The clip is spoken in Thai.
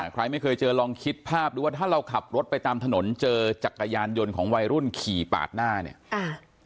ใครไม่เคยเจอลองคิดภาพดูว่าถ้าเราขับรถไปตามถนนเจอจักรยานยนต์ของวัยรุ่นขี่ปาดหน้าเนี่ยอ่า